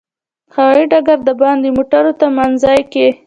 هوایي ډګر د باندې موټرو تمځای کې.